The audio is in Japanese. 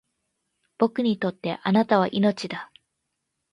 僕にとって貴方は命だ